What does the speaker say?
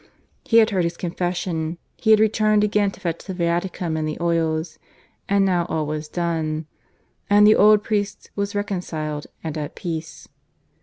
He had heard his confession ... he had returned again to fetch the Viaticum and the oils; and now all was done; and the old priest was reconciled and at peace.